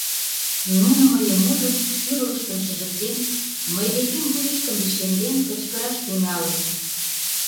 Нуно, мыйым ужын, шӱвылыштым шыжыктен, мый декем вуйыштым лишемден, кычкыраш тӱҥалыт: